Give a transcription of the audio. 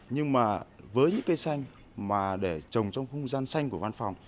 nhưng mà với những cây xanh mà để trồng trong không gian xanh của văn phòng